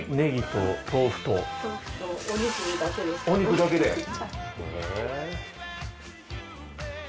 お肉だけで。